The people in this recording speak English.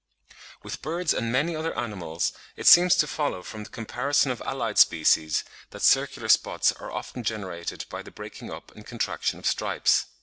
With birds and many other animals, it seems to follow from the comparison of allied species that circular spots are often generated by the breaking up and contraction of stripes.